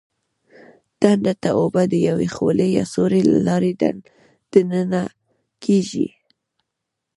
ډنډ ته اوبه د یوې خولې یا سوري له لارې دننه کېږي.